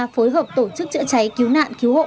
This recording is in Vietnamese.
phối hợp tổ chức chữa cháy cứu nạn cứu hộ